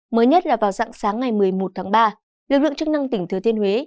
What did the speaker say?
mới nhất là vào dạng sáng ngày một mươi một tháng ba lực lượng chức năng tỉnh thừa thiên huế